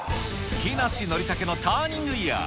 木梨憲武のターニングイヤー。